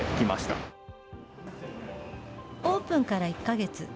オープンから１か月。